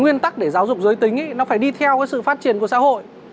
nguyên tắc để giáo dục giới tính nó phải đi theo cái sự phát triển của xã hội